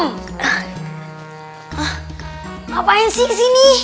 ngapain sih kesini